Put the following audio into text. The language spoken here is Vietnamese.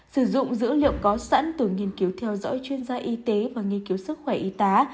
sử dụng dữ liệu có sẵn từ nghiên cứu theo dõi chuyên gia y tế và nghiên cứu sức khỏe y tá